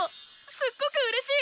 すっごくうれしい！